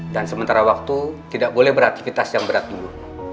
dan sementara waktu tidak boleh beraktifitas yang berat dulu